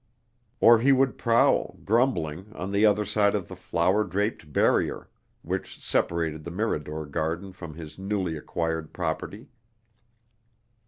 Or he would prowl, grumbling, on the other side of the flower draped barrier which separated the Mirador garden from his newly acquired property.